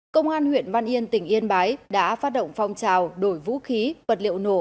công an huyện văn yên tỉnh yên bái đã phát động phong trào đổi vũ khí vật liệu nổ